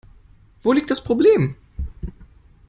Wo liegt das Problem?